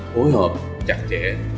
phối hợp chặt chẽ